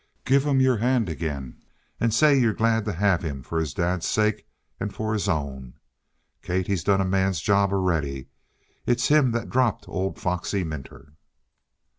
Give him your hand agin and say you're glad to have him for his dad's sake and for his own! Kate, he's done a man's job already. It's him that dropped old foxy Minter!"